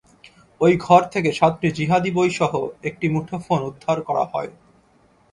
ওই ঘর থেকে সাতটি জিহাদি বইসহ একটি মুঠোফোন উদ্ধার করা হয়।